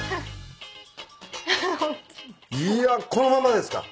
いやこのまんまですか？